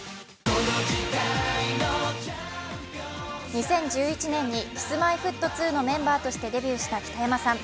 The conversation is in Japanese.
２０１１年にＫｉｓ−Ｍｙ−Ｆｔ２のメンバーとしてデビューした北山さん。